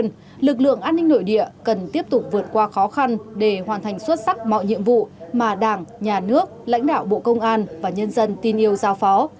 nhưng lực lượng an ninh nội địa cần tiếp tục vượt qua khó khăn để hoàn thành xuất sắc mọi nhiệm vụ mà đảng nhà nước lãnh đạo bộ công an và nhân dân tin yêu giao phó